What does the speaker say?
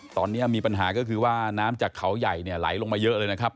ตอนนี้มีปัญหาก็คือว่าน้ำจากเขาใหญ่เนี่ยไหลลงมาเยอะเลยนะครับ